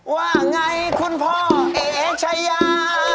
ว่าไงคุณพ่อเอชายา